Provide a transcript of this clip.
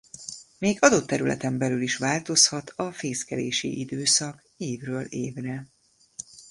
Még adott területen belül is változhat a fészkelési időszak évről évre.